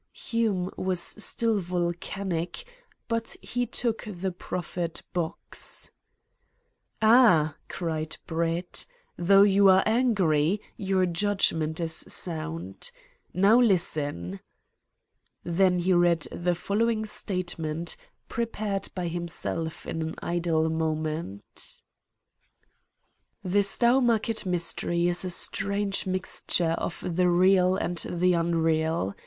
Hume was still volcanic, but he took the proffered box. "Ah," cried Brett, "though you are angry, your judgment is sound. Now listen!" Then he read the following statement, prepared by himself in an idle moment: "The Stowmarket Mystery is a strange mixture of the real and the unreal.